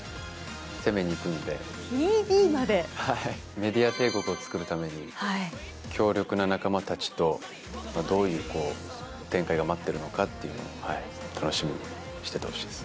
メディア帝国をつくるために強力な仲間たちとどういう展開が待っているのかというのを楽しみにしててほしいです。